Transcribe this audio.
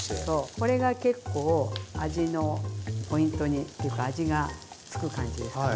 これが結構味のポイントにというか味が付く感じですかね。